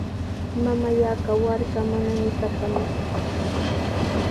Mamallaa kawarqa manami katramaqku.